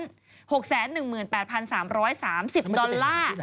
ที่ไหนอ่ะ